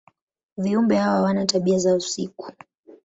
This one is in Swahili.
Viumbe hawa wana tabia za usiku.